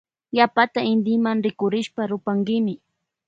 Yapata intima rikurishpa rupankimi.